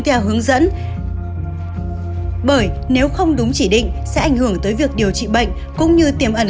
theo hướng dẫn bởi nếu không đúng chỉ định sẽ ảnh hưởng tới việc điều trị bệnh cũng như tiềm ẩn